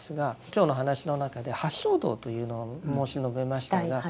今日の話の中で八正道というのを申し述べましたが。